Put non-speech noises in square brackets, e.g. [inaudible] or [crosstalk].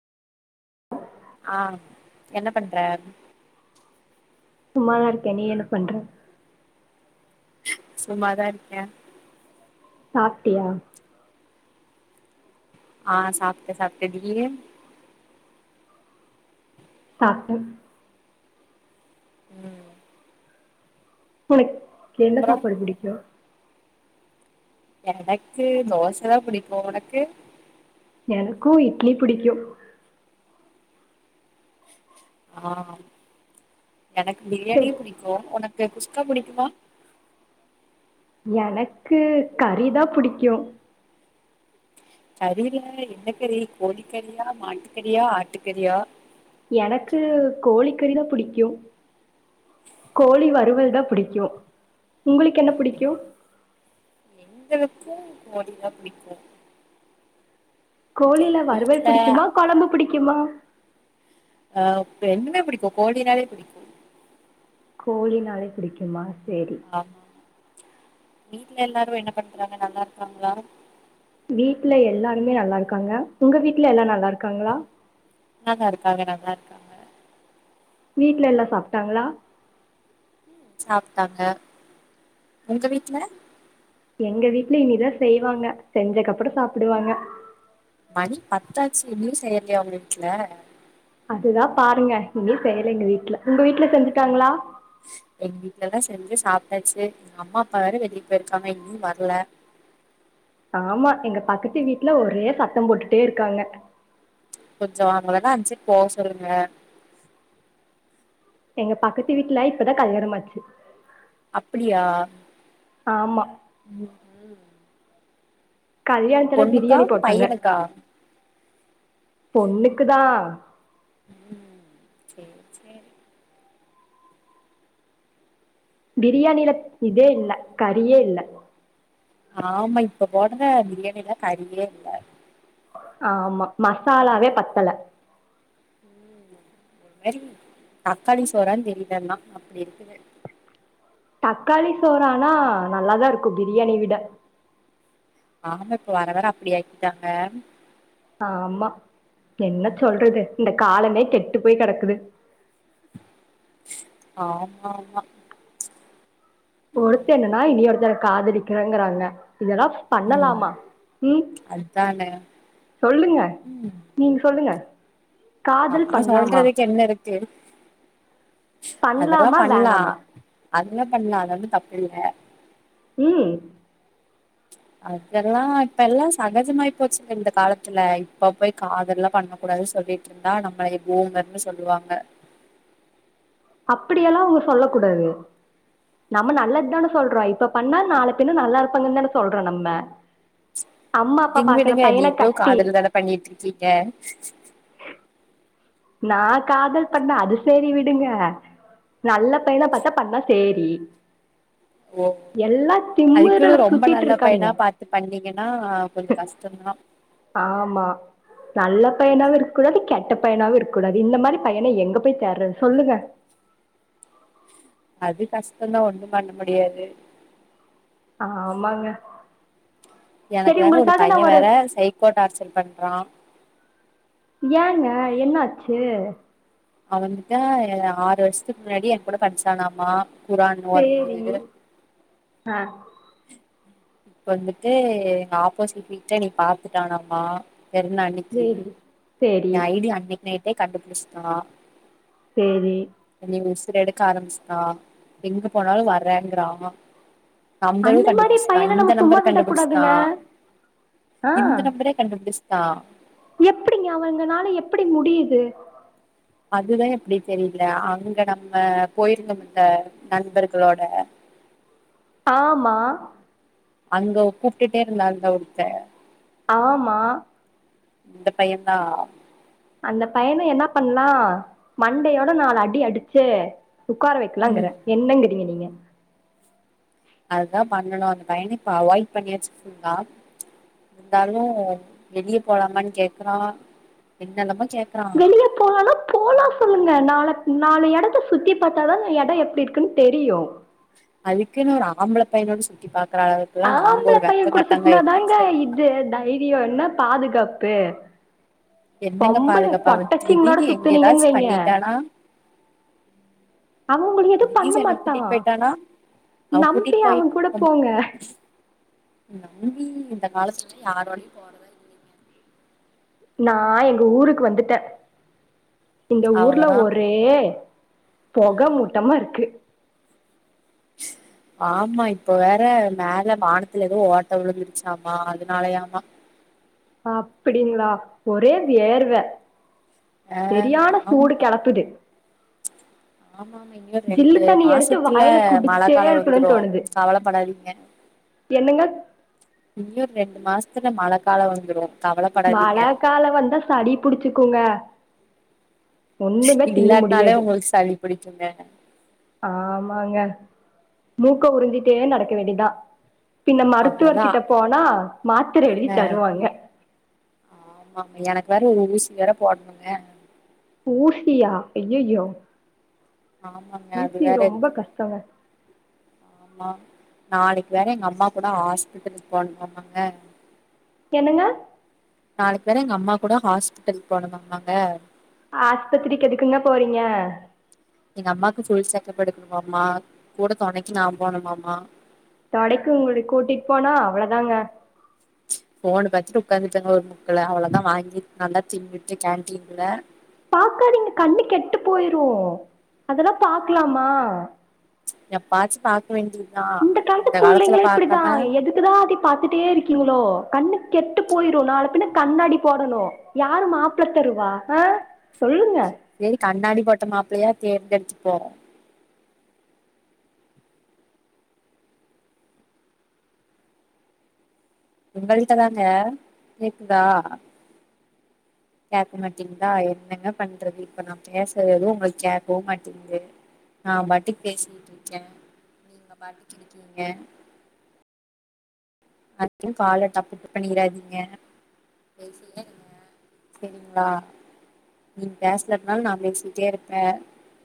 ஆ என்ன பண்ற சும்மாதா இருக்க நீ என்ன பண்ற சும்மாதா இருக்கே சாப்டியா ஆ சாப்ட்ட சாப்ட்ட நீயி சாப்ட்ட ம் உனக் என்ன அப்றோ சாப்பாடு பிடிக்கு எனக்கு தோசதா புடிக்கு உனக்கு எனக்கு இட்லி புடிக்கு ஆ எனக்கு சரி பிரியாணியு பிடிக்கு உனக் கு குஸ்கா புடிக்குமா எனக்கு கறிதா புடிக்கு கறில என்ன கறி கோழிக்கறியா மாட்டுக்கறியா ஆட்டுக்கறியா எனக்கு கோழிக்கறிதா புடிக்கு கோழி வறுவல்தா புடிக்கு உங்களுக்கென்ன புடிக்கு இந்த வக்கு கோழிதா பிடிக்கு கோழில வறுவல் புடிக்குமா கொழம்பு புடிக்குமா அ ரெண்டுமே பிடிக்கு கோழினாலே பிடிக்கு கோழினாலே புடிக்குமா சேரி ஆமா வீட்ல எல்லாரு என்ன பண்றாங்க நல்லாருக்காங்ளா வீட்ல எல்லாருமே நல்லாருக்காங்க உங்க வீட்ல எல்லா நல்லாருக்காங்ளா நல்லாருக்காங்க நல்லாருக்காங்க வீடல எல்லா சாப்ட்டாங்ளா சாப்ட்டாங்க உங்க வீட்ல எங்க வீட்ல இனிதா செய்வாங்க செஞ்சக்கப்பற சாப்புடுவாங்க மணி பத்தாச்சு இன்னயு செய்யலையா உங்க வீட்ல அதுதா பாருங்க இன்னயு செய்யல எங்க வீட்ல உங்க வீட்ல செஞ்சுட்டாங்ளா எங்க வீட்ல எல்லா செஞ்சு சாப்ட்டாச்சு எங்க அம்மா அப்பா வேற வெளிய போயிருக்காங்க இன்னு வரல ஆமா எங்க பக்கத்து வீட்ல ஒரே சத்தம் போட்டுட்டே இருக்காங்க கொஞ்ச அவுங்களதா அந் சைடு போக சொல்லுங்ளே எங்க பக்கத்து வீட்ல இப்பதா கல்யாணமாச்சு அப்பிடியா ஆமா ம்ஹூ கல்யாணத்துல பிரியாணி போட்டாங்க பையனுக்கா பொண்ணுக்குதா ம் சேர் சேரி பிரியாணில இதே இல்ல கறியே இல்ல ஆமா இப்ப போடற பிரியாணில கறியே இல்ல ஆமா மசாலாவே பத்தல ம், ஒரு மாரி தக்காளி சோறான் தெரிலங்ளா அப்பிடி இருக்குது தக்காளி சோறு ஆனா நல்லாதா இருக்கு பிரியாணிய விட ஆமா இப்ப வர வர அப்டியாக்கிட்டாங்க ஆமா என்ன சொல்றது இந்த காலமே கெட்டு போய் கெடக்குது ஆமா ஆமா ஒருத்த என்னன்னா இனி ஒருத்தர காதலிக்கறங்கிறாங்க இதல்லா ம் பண்ணலாமா உம் அதானே சொல்லுங்க நீங்க சொல்லுங்க காதல் ஆஹ் பண்லாமா சொல்றதுக்கு என்ன இருக்கு அதெல்லா பண்லாமா பண்லா வேணாமா அதெல்லா பண்லா அது வந்து தப்பில்ல உம் அதெல்லா இப்ப எல்லா சகஜமாயி போச்சுங்க இந்த காலத்துல இப்ப போய் காதல்லா பண்ண கூடாது சொல் சொல்லிட்டு இருந்தா நம்மள பூமர்ன்னு சொல்லுவாங்க அப்டியெல்லா அவுங்க சொல்ல கூடாது நம்ம நல்லது தான சொல்றோ இப்ப பண்ணா நாள பின்ன நல்லா இருப்பாங்கன்னு தான சொல்றோ நம்ம அம்மா அப்பா விடுங் பாக்குற விடுங்க பையன நீங்களு கட்டி காதல் தான பண்ணிட்டு இருக்கீங்க நா காதல் பண்ணே அது சேரி விடுங்க நல்ல பையனா பாத்தா பண்ணா சேரி ஓ எல்லா அதுக்குன்னு திமிருல ரொம்ப சுத்திட்டு நல்ல பையனா இருக்கானுங்க பாத்து பண்ணீங்கன்னா கொஞ்ச கஷ்டோதா ஆமா நல்ல பையனாவு இருக்கூடாது கெட்ட பையனாவு இருக்கூடாது இந்த மாரி பையன எங்க போய் தேட்றது சொல்லுங்க அது கஷ்டோதா ஒண்ணு பண்ண முடியாது ஆமாங்க எனக்கு சரி வேற ஒரு உங்களுக்காக நா பைய வேற சைகோ டார்ச்சல் பண்றா ஏங்க என்னாச்சு அவ வந்துட்டு ஆறு வருஷத்துக்கு முன்னாடி ஏ கூட படிச்சானாமா குரான் சேரி ஓதம்போது ஆ இப்ப வந்துட்டு எங்க ஆப்போசிட் வீட்ல என்னைய பாத்துட்டானம்மா பெருநா அன்னிக்கி சேரி சேரி ஏ ஐடிய அன்னைக் நைட்டே கண்டுபுடிச்சிடா சேரி எடுக்க ஆரம்பிச்டா எங்க போனாலு வறேங்கிறா நம்பரு அந்த மாரி கண்டுபுடிச் பையன இந்த நம்ம சும்மா நம்பர் விடக் கண்டுபுடிச்சுடா கூடாதுங்க ஆ இந்த நம்பரே கண்டுபுடிச்சுடா எப்டிங்க அவங்கனால எப்டி முடியுது அதுதா எப்டி தெரில அங்க நம்ம போயிருந்தம்ல நண்பர்களோட [inaudible] ஆமா அங்க கூப்பிட்டே இருந்தாந்தா ஒருத்த ஆமா இந்த பைய தா அந்த பையன என்ன பண்லா மண்டயோட நாலு அடி அடிச்சு உக்கார வைக்கலாங்கற ம் என்னங்கிறீங்க நீங்க அதுதா பண்ணணு அந்த பையன இப்ப அவாய்ட் பண்ணியாச்சு ஃபுல்லா இருந்தாலு வெளிய போலாமானு கேக்றா என்னனமோ கேக் வெளிய போலானா போலா சொல்லுங்க நா நாலு எடத்த சுத்தி பாத்தாதான எடம் எப்டி இருக்குன்னு தெரியு அதுக்குன்னு ஒரு ஆம்பள பையனோடு சுத்தி பாக் ஆ ஆம்பளை பைய கூட சுத்துனாதாங்க சரிங்களா இது தைரியோ என்ன பாது கப்பே என்னங்க பாதுகாப்பு அவ திடீர்னு எங்க சுத்துனீங்கன்னு எதாச்சு வைங்க பண்ணிட்டானா அவ உங்கள எது பண்ண [unintelligible] என்ன மாட்டா கூட்டிட் போயிட்டானா அவ நம்பி கூட்டிட் போய் அவ கூட போங்க நம்பி இந்த காலத்துல யாரோடயு போறதா இல்லிங்க நா எங்க ஊருக்கு வந்துட்ட இந்த ஊர்ல அவ்வளவுதா ஒரே பொக மூட்டமாருக்கு [inaudible] ஆமா இப்ப வேற மேல வானத்துல எதோ ஓட்ட விழுந்துருச்சாமா அதனாலயாமா அப்டிங்ளா ஒரே வேர்வ ஆ செரியான ஆமா சூடு கெலப்புது ஆமா ஆமா இன்யு ஜில்லு ரெண்டு தண்ணி எடுத்து மாசத்துல வாயில மழ குடிச்சிட்டே காலோ வந்துரு இருக்கணுன்னு தோணுது கவல படாதிங்க என்னங்க இன்யு ரெண்டு மாசத்துல மழ காலோ வந்துரு மழ கவலப்படாதீங்க கால வந்தா சளி புடிச்சுக்குங்க ஒண்ணுமே திங்க இல்லாட்னாலே முடியாது உங்ளுக்கு சளி புடிக்குங்க ஆமாங்க மூக்க உரிஞ்சிட்டே நடக்க வேண்டிதா பின்ன மருத்துவர் அவ்ளோதா கிட்ட போனா மாத்ர எழுதி தருவாங்க ஆமா எனக்கு வேற ஒரு ஊசி வேற போடணுங்க [unintelligible] அயய்யோ ஆமாங்க அது வேற இருக்குது ஆமா நாளைக்கு வேற எங்க அம்மா கூட ஆஸ்பிட்டலுக்கு போனமாம் ங்க என்னங்க நாளைக்குவேற எங்க அம்மா கூட ஹாஸ்பிட்டல் போனுமாமங்க ஆஸ்பத்திரிக்கு எதுக்குங்க போறீங்க எங்க அம்மாக்கு ஃபுல் செக்கப் எடுக்கணுமாமா கூட தொணைக்கு நா போணுமாமா தொணைக்கு உங்ள கூட்டிட் போனா அவ்ளதாங்க ஃபோனு பாத்துட்டு உக்காந்ருப்பாங்க ஒரு முக்குல அவ்ளதா வாங்கி நல்லா தின்னுட்டு கேன்டீன்ல பாக்காதீங்க கண்ணு கெட்டு போயிரு அதலா பாக்லாமா எப்பாச்சி பாக் இந்த காலத்து புள்ளைங்களே இப்டிதா பாக்காம எதுக்குதா அதே பாத்துட்டே இருக்கீங்ளோ கண்ணு கெட்டு போயிரு நாள பின்ன கண்ணாடி போடணு யாரு மாப்ள தருவா அ சொல்லுங்க செரி கண்ணாடி போட்ட மாப்ளயா தேர்ந்தெடுத்துப்போ உங்கள்ட்ட தாங்க கேக்குதா கேக் மாட்டிங்ளா என்னங்க பண்றது இப்ப நா பேசுற எது உங்ளுக்கு கேக்கவு மாட்டிங்குது நா பாட்டுக்கு பேசிக்கிட்ருக்கே நீங்க பாட்டுக்கு இருக்கீங்க அதையு கால்ல [unintelligible] பண்ணிடாதீங்க [unintelligible] சரிங்களா நீங் பேசலனாலு நா பேசிட்டே ருப்பே